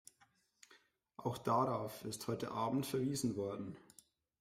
Auch darauf ist heute Abend verwiesen worden.